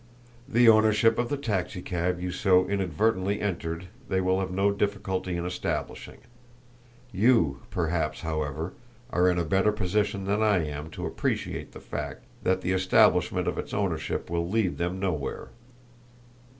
The ownership of the taxicab you so inadvertently entered they will have no difficulty in establishing you, perhaps, however, are in a better position than I am to appreciate the fact that the establishment of its ownership will lead them nowhere.